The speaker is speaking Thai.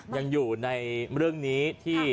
ยังอยู่ในเรื่องนี้ที่